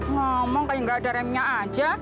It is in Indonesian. ngomong kayak gak ada remnya aja